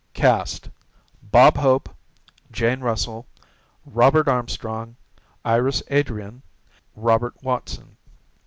Cast: Bob Hope, Jane Russell, Robert Armstrong, Iris Adrian, Robert Watson.